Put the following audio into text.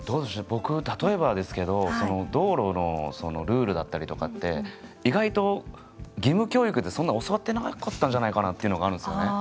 僕例えばですけど道路のルールだったりとかって意外と義務教育でそんな教わってなかったんじゃないかなっていうのがあるんですよね。